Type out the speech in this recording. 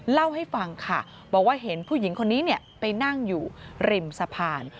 เล่าให้ฟังค่ะบอกว่าเห็นผู้หญิงคนนี้ไปนั่งอยู่ริมสะพาน